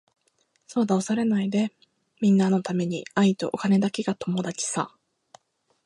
そうだ恐れないでみんなのために愛とお金だけが友達さ。